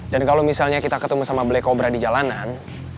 dan kalau misalnya kita ketemu sama black cobra di jalanan